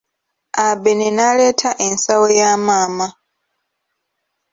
Abena n'aleeta ensawo ya maama.